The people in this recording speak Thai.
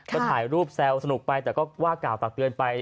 ก็ถ่ายรูปแซวสนุกไปแต่ก็ว่ากล่าวตักเตือนไป